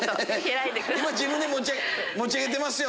自分で持ち上げてますよ！